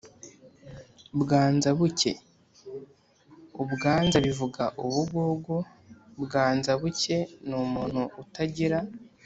bwanza buke: ubwanza bivuga ubugugu bwanza buke ni umuntu utagira